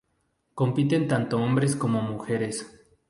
Compiten tanto hombres como mujeres.